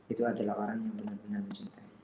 itu adalah orang yang benar benar mencintai